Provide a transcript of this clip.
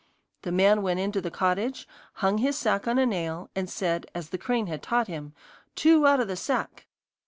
The man went into the cottage, hung his sack on a nail, and said, as the crane had taught him: 'Two out of the sack.